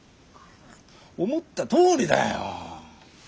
思ったとおりだよ。